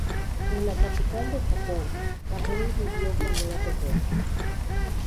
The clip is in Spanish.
En la capital de Japón, Kamui vivió cuando era pequeño.